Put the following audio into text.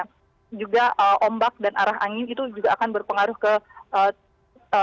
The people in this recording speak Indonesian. karena juga ombak dan arah angin itu juga akan berpengaruh ke prosesnya